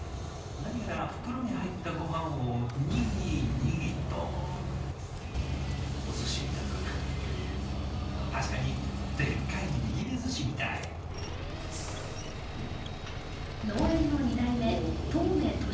何やら袋に入ったごはんをにぎにぎと確かにでっかい握り寿司みたい農園の２代目